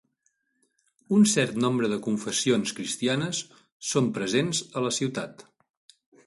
Un cert nombre de confessions cristianes són presents a la ciutat.